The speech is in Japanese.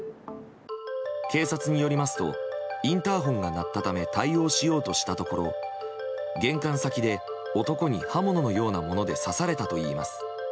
警察によりますとインターホンが鳴ったため対応しようとしたところ玄関先で男に刃物のようなもので刺されたといいます。